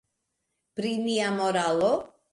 Pri nia moralo?